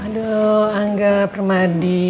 aduh angga permadi